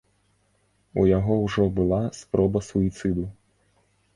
У яго ўжо была спроба суіцыду.